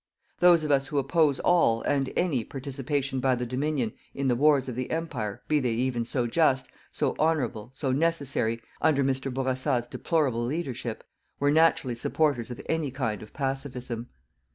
Those of us who oppose all, and any, participation by the Dominion in the wars of the Empire, be they even so just, so honourable, so necessary, under Mr. Bourassa's deplorable leadership, were naturally supporters of any kind of "PACIFISM."